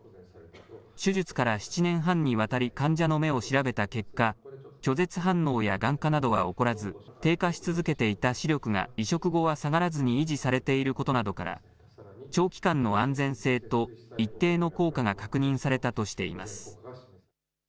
手術から７年半にわたり患者の目を調べた結果、拒絶反応やがん化などは起こらず低下し続けていた視力が移植後は下がらずに維持されていることなどから長期間の安全性と一定の効果が確認されたとしています。